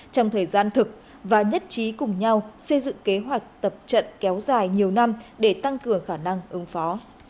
trong thời gian thực và nhất trí cùng nhau xây dựng kế hoạch tập trận kéo dài nhiều năm để tăng cường khả năng ứng phó